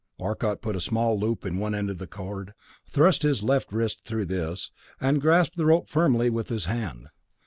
Arcot put a small loop in one end of a cord, thrust his left wrist through this, and grasped the rope firmly with his hand.